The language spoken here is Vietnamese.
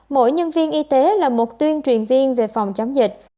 mỗi nhân viên y tế là một tuyên truyền viên về phòng chống dịch